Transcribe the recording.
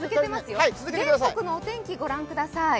全国の天気、御覧ください。